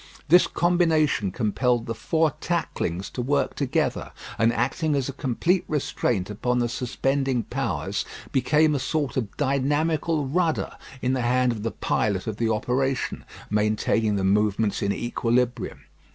This combination compelled the four tacklings to work together, and acting as a complete restraint upon the suspending powers, became a sort of dynamical rudder in the hand of the pilot of the operation, maintaining the movements in equilibrium.